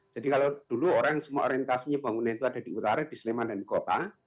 jadi kalau dulu orang semua orientasinya pembangunan itu ada di utara di sleman dan di kota